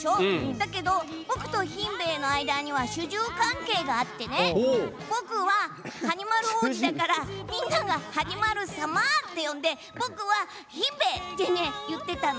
だけど、僕と、ひんべえの間には主従関係があって僕は、はに丸王子だからみんなが「はに丸様」って呼んで僕は「ひんべえ」って言ってたの。